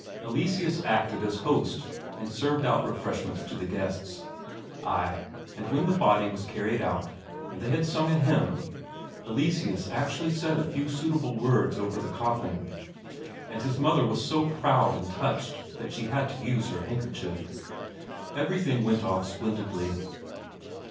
Eleseus acted as host, and served out refreshments to the guests; ay, and when the body was carried out, and they had sung a hymn, Eleseus actually said a few suitable words over the coffin, and his mother was so proud and touched that she had to use her handkerchief. Everything went off splendidly.